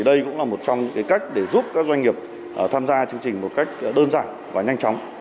đây cũng là một trong những cách để giúp các doanh nghiệp tham gia chương trình một cách đơn giản và nhanh chóng